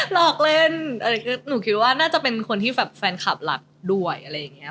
หลอกเล่นหนูคิดว่าน่าจะเป็นคนที่แฟนคลับหลักด้วยอะไรอย่างเงี้ย